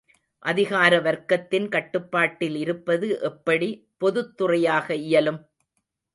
அதிகார வர்க்கத்தின் கட்டுப்பாட்டில் இருப்பது எப்படி பொதுத்துறையாக இயலும்?